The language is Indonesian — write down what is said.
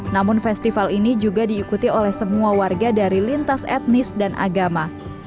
namun festival ini juga diikuti oleh semua warga dari lintas etnis dan agama